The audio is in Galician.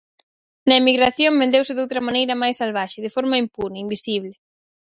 Na emigración, vendeuse doutra maneira máis salvaxe, de forma impune, invisible.